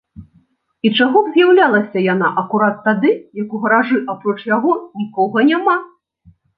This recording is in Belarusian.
І чаго б з'яўлялася яна акурат тады, як у гаражы, апроч яго, нікога няма?